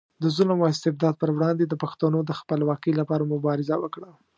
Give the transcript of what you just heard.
د ظلم او استبداد پر وړاندې د پښتنو د خپلواکۍ لپاره مبارزه وکړه.